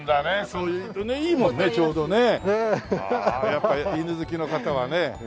やっぱり犬好きの方はね。